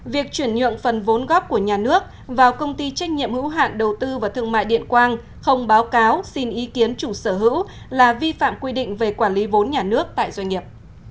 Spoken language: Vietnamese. việc chuyển nhượng phần vốn góp của nhà nước vào công ty trách nhiệm hữu hạn đầu tư và thương mại điện quang không báo cáo xin ý kiến chủ sở hữu là vi phạm quy định về quản lý vốn nhà nước tại doanh nghiệp